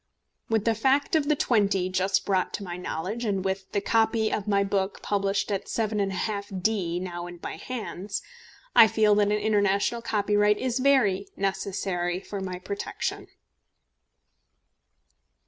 With the fact of the £20 just brought to my knowledge, and with the copy of my book published at 7½d. now in my hands, I feel that an international copyright is very necessary for my protection.